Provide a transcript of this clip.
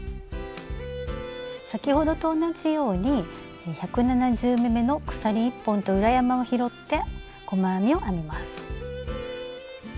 先ほどと同じように１７０目めの鎖１本と裏山を拾って細編みを編みます。